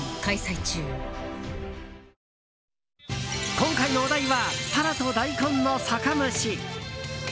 今回のお題はタラと大根の酒蒸し。